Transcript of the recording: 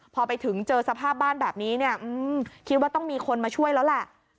พอไปถึงเจอสภาพบ้านแบบนี้เนี่ยคิดว่าต้องมีคนมาช่วยแล้วแหละ